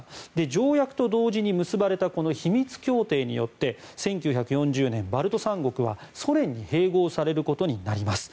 条約と同時に結ばれた秘密協定によって１９４０年、バルト三国はソ連に併合されることになります。